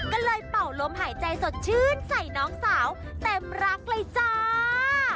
ก็เลยเป่าลมหายใจสดชื่นใส่น้องสาวเต็มรักเลยจ้า